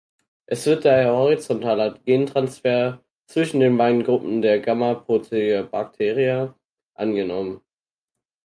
Es wird daher horizontaler Gentransfer zwischen den beiden Gruppen der Gammaproteobacteria angenommen.